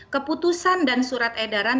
keputusan dan surat edaran